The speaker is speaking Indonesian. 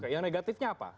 yang negatifnya apa